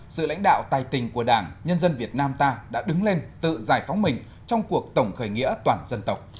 sự lãnh đạo tài tình của đảng nhân dân việt nam ta đã đứng lên tự giải phóng mình trong cuộc tổng khởi nghĩa toàn dân tộc